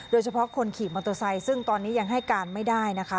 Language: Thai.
โดยเฉพาะคนขี่มอเตอร์ไซค์ซึ่งตอนนี้ยังให้การไม่ได้นะคะ